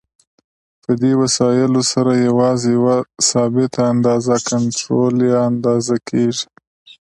په دې وسایلو سره یوازې یوه ثابته اندازه کنټرول یا اندازه کېږي.